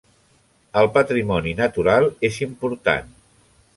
El patrimoni natural és important.